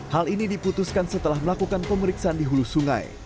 hal ini diputuskan setelah melakukan pemeriksaan di hulu sungai